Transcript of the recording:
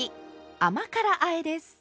甘辛あえです。